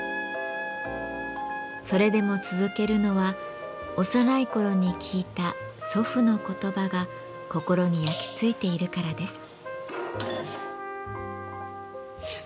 それでも続けるのは幼い頃に聞いた祖父の言葉が心に焼きついているからです。